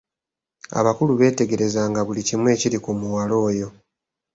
Abakulu beetegerezanga buli kimu ekiri ku muwala oyo.